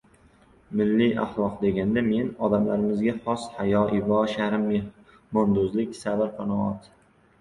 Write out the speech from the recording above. Milliy ahloq deganda men odamlarimizga xos hayo, ibo, sharm, mehmondo‘stlik, sabr-qanoat